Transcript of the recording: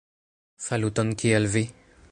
Saluton kiel vi?